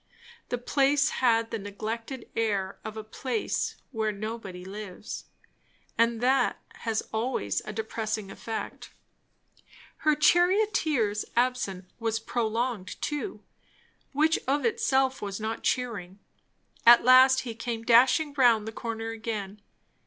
The place had the neglected air of a place where nobody lives, and that has always a depressing effect. Her charioteer's absence was prolonged, too; which of itself was not cheering. At last he came dashing round the corner again.